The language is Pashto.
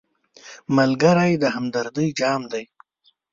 ملګری د همدردۍ جام دی